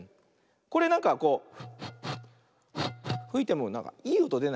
これなんかこうふいてもなんかいいおとでないね。